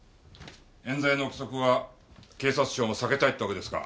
冤罪の臆測は警察庁も避けたいってわけですか。